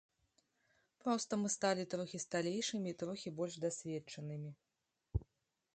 Проста мы сталі трохі сталейшымі і трохі больш дасведчанымі.